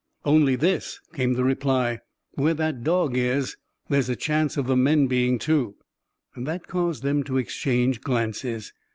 "Only this," came the reply: "where that dog is, there's a chance of the men being, too." That caused them to exchange glances.